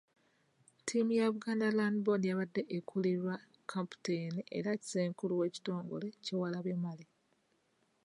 Ttiimu ya Buganda Land Board yabadde ekulirwa kkaputeeni era Ssenkulu w’ekitongole, Kyewalabye Male.